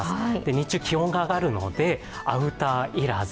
日中、気温が上がるのでアウター要らず。